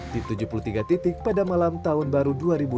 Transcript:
di tujuh puluh tiga titik pada malam tahun baru dua ribu dua puluh